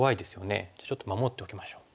じゃあちょっと守っておきましょう。